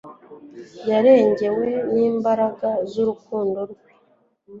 Yarengewe n'imbaraga z'urukundo rwe.